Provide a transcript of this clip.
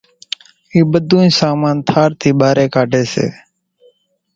اِي ٻڌونئين سامان ٿار ٿي ٻارون ڪاڍي سي،